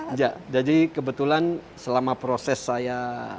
enggak jadi kebetulan selama proses saya